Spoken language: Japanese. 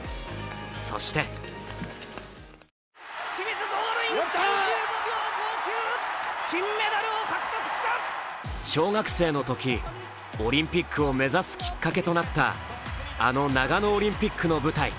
そして小学生のときオリンピックを目指すきっかけとなったあの長野オリンピックの舞台